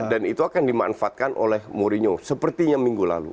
dan itu akan dimanfaatkan oleh murinho sepertinya minggu lalu